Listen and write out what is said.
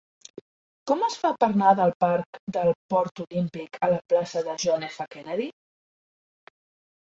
Com es fa per anar del parc del Port Olímpic a la plaça de John F. Kennedy?